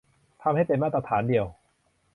ทำให้เป็นมาตรฐานเดียว